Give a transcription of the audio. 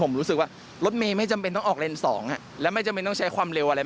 ผมรู้สึกว่ารถเมย์ไม่จำเป็นต้องออกเลนส์๒แล้วไม่จำเป็นต้องใช้ความเร็วอะไร